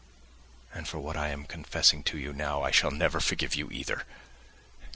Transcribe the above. And for what I am confessing to you now, I shall never forgive you either!